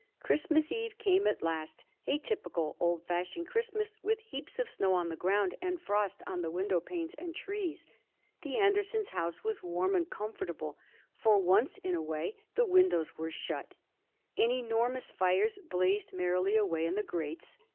Christmas Eve came at last a typical old fashioned Christmas with heaps of snow on the ground and frost on the window panes and trees. The Andersons' house was warm and comfortable for once in a way the windows were shut and enormous fires blazed merrily away in the grates.